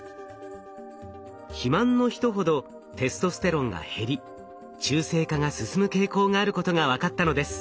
肥満の人ほどテストステロンが減り中性化が進む傾向があることが分かったのです。